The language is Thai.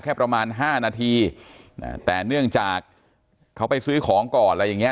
ประมาณห้านาทีแต่เนื่องจากเขาไปซื้อของก่อนอะไรอย่างเงี้